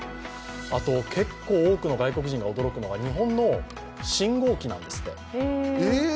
あと、結構多くの外国人が驚くのが日本の信号機なんですって。